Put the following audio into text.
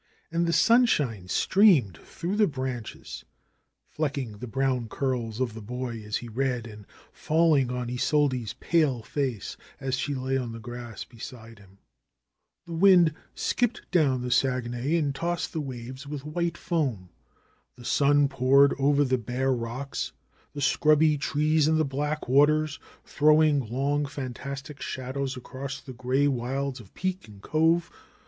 And the sunshine streamed through the branches, flecking the brown curls of the boy as he read and falling on Isolde's pale face as she lay on the grass beside him. The wind skipped down the Saguenay and tossed the waves with white foam. The sun poured over the bare rocks, the scrubby trees and the black waters, throwing long, fantastic shadows across the gray wilds of peak and cove.